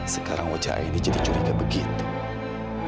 sekarang wajah aini jadi curiga begitu